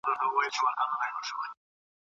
لوستې مور د ماشومانو د بدن توازن څاري.